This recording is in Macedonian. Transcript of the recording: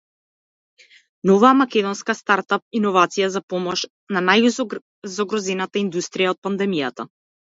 Нова македонска стартап иновација за помош на најзагрозената индустрија од пандемијата